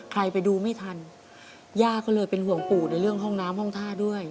ไปดูไม่ทันย่าก็เลยเป็นห่วงปู่ในเรื่องห้องน้ำห้องท่าด้วย